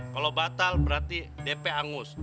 kalo batal berarti dp hangus